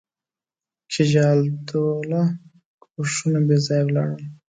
شجاع الدوله کوښښونه بېځایه ولاړل.